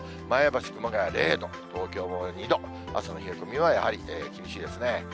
前橋、熊谷０度、東京も２度、朝の冷え込みはやはり厳しいですね。